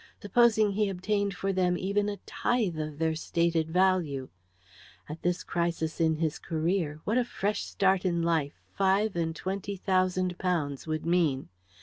Supposing he obtained for them even a tithe of their stated value! At this crisis in his career, what a fresh start in life five and twenty thousand pounds would mean!